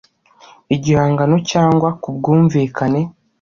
igihangano cyangwa ku bwumvikane